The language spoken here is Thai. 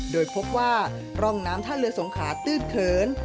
โดยพบว่าร่องน้ำท่าเรือสงขาตื้นเขิน